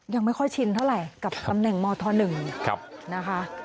ยังไม่ค่อยชินเท่าไหร่กับตำแหน่งมธ๑นะคะ